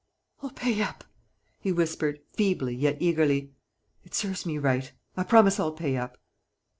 "I'll pay up!" he whispered, feebly yet eagerly. "It serves me right. I promise I'll pay up!"